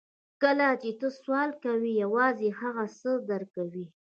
کله چې ته سوال کوې یوازې هغه څه درکوي